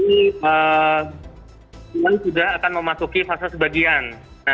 ini sudah akan memasuki fase sebagian